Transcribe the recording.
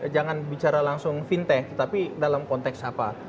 jangan bicara langsung fintech tapi dalam konteks apa